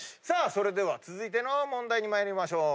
それでは続いての問題に参りましょう。